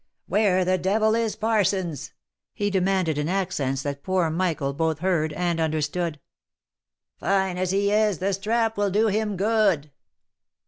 " Where the devil is Parsons ?" he demanded in accents that poor Michael both heard and understood. " Fine as he is, the strap will do him good."